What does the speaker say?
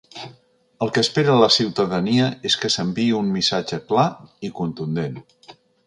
El que espera la ciutadania és que s’enviï un missatge clar i contundent.